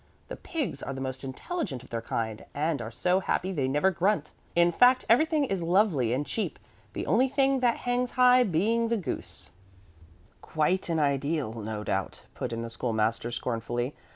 The pigs are the most intelligent of their kind, and are so happy they never grunt. In fact, everything is lovely and cheap, the only thing that hangs high being the goose." [Illustration: "'THE GLADSOME CLICK OF THE LAWN MOWER'"] "Quite an ideal, no doubt," put in the School master, scornfully.